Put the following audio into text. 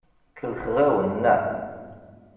Kellxeɣ-awen, naɣ?